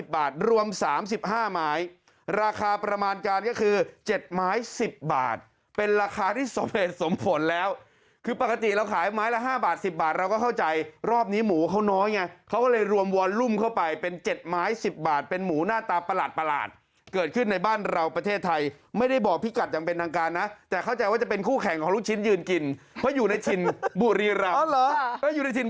รวม๓๕ไม้ราคาประมาณการก็คือ๗ไม้๑๐บาทเป็นราคาที่สำเร็จสมผลแล้วคือปกติเราขายไม้ละ๕บาท๑๐บาทเราก็เข้าใจรอบนี้หมูเขาน้อยไงเขาก็เลยรวมวอนลุ่มเข้าไปเป็น๗ไม้๑๐บาทเป็นหมูหน้าตาประหลาดเกิดขึ้นในบ้านเราประเทศไทยไม่ได้บอกพี่กัดอย่างเป็นทางการนะแต่เข้าใจว่าจะเป็นคู่แข่งของลูกชิ้นยืนกินเพราะอยู่ในถิ่นบุรีรำ